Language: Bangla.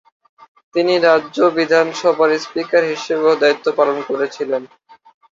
তিনি রাজ্য বিধানসভার স্পিকার হিসাবেও দায়িত্ব পালন করেছিলেন।